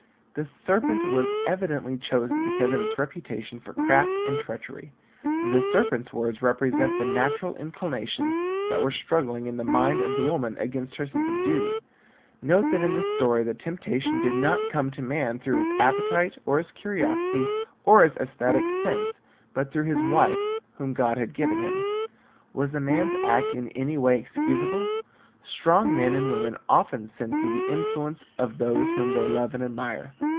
The serpent was evidently chosen because of its reputation for craft and treachery. The serpent's words represent the natural inclinations that were struggling in the mind of the woman against her sense of duty. Note that in the story the temptation did not come to man through his appetite or his curiosity or his esthetic sense but through his wife whom God had given him. Was the man's act in any way excusable? Strong men and women often sin through the influence of those whom they love and admire.